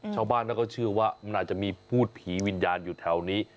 ชาวบ้านเขาก็เชื่อว่ามันอาจจะมีพูดผีวิญญาณอยู่แถวนี้